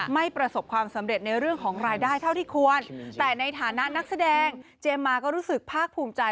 ประสบความสำเร็จในเรื่องของรายได้เท่าที่ควรแต่ในฐานะนักแสดงเจมส์มาก็รู้สึกภาคภูมิใจ